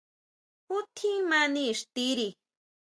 ¿Ju tjín mani ixtiri?